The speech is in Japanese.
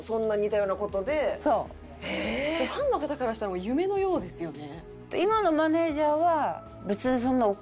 ファンの方からしたら夢のようですよね。